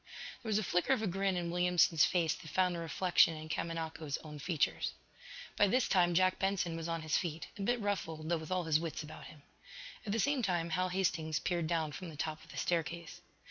There was a flicker of a grin in Williamson's face that found a reflection in Kamanako's own features. By this time Jack Benson was on his feet, a bit ruffled though with all his wits about him. At the same time Hal Hastings peered down from the top of the staircase.